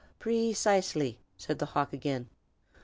"Precisely!" said the hawk, again.